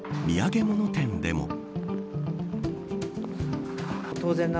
土産物店でも。